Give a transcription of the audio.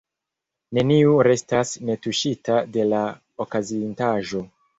Neniu restas netuŝita de la okazintaĵo.